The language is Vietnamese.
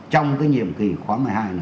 trong cái nhiệm kỳ khóa một mươi hai